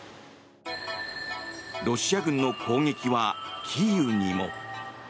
ロシア軍の攻撃はキーウにも。